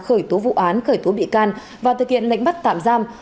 khởi tố vụ án khởi tố bị can và thực hiện lệnh bắt tạm giam